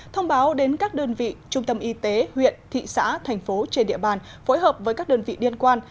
thông báo đến các đơn vị trung tâm y tế huyện thị xã thành phố trên địa bàn phối hợp với các đơn vị liên quan